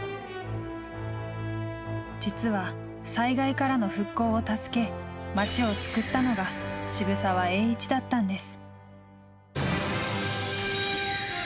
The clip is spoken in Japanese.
実は、災害からの復興を助け町を救ったのが渋沢栄一だったんです。